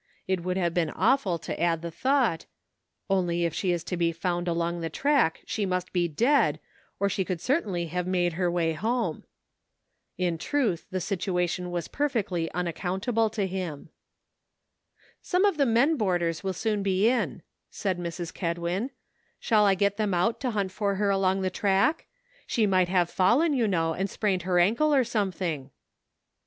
It would have been awful to add the thought, " only if she is to be found along the track she must be dead, or she could cer tainly have made her way home." In truth 62 "WHAT COULD HAPPEN?'* the situation was perfectly unaccountable to him. " Some of the men boarders will soon be in," said Mrs. Kedwin; "shall I get them out to hunt for her along the track ? She might have fallen, you know, and sprained her ankle or something."